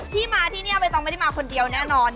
ที่มาที่นี่ใบตองไม่ได้มาคนเดียวแน่นอน